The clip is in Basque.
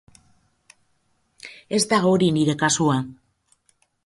Ez da hori nire kasua.